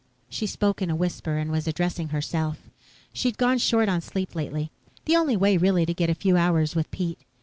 She spoke in a whisper and was addressing herself. She'd gone short on sleep lately the only way, really, to get a few hours with Pete.